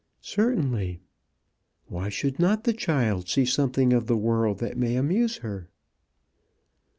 "Certainly. Why should not the child see something of the world that may amuse her?"